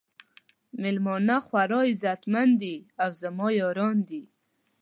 میلمانه خورا عزت مند دي او زما یاران دي.